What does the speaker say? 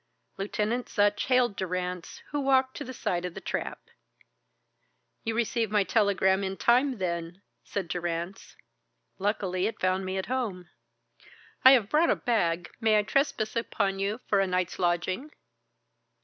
Lieutenant Sutch hailed Durrance, who walked to the side of the trap. "You received my telegram in time, then?" said Durrance. "Luckily it found me at home." "I have brought a bag. May I trespass upon you for a night's lodging?"